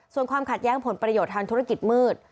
ส่วนความขัดแย้งผลประโยชน์ทางธุรกิจมืด